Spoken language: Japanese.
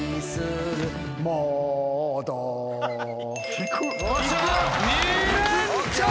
低っ！